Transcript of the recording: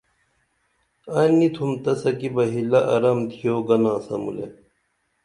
ائی نی تُھم تسہ کی بہ ہِلہ ارم تِھیو گنا سمولے